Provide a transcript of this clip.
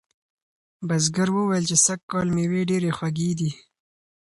بزګر وویل چې سږکال مېوې ډیرې خوږې دي.